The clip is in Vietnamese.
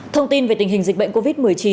thông tin về tình hình dịch bệnh covid một mươi chín